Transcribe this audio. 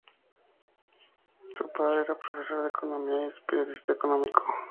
Su padre era profesor de economía y periodista económico.